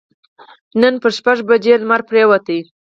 نن پر شپږ بجو لمر پرېوت.